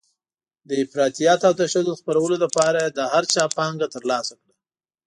د افراطیت او تشدد خپرولو لپاره یې له هر چا پانګه ترلاسه کړه.